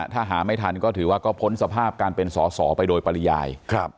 ถ้าหาไม่ทันก็ถือว่าก็พ้นสภาพการเป็นสอสอไปโดยปริยาย